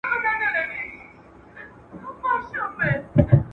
د نریو اوبو مخ په بېل بندیږي `